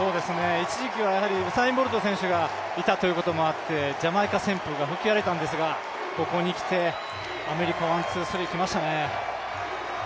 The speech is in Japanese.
一時期はウサイン・ボルト選手がいたということもあってジャマイカ旋風が吹き荒れたんですが、ここへ来てアメリカワン・ツー・スリ−きましたね。